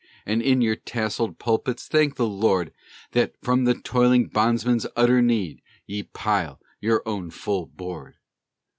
And, in your tasselled pulpits, thank the Lord That, from the toiling bondman's utter need, Ye pile your own full board.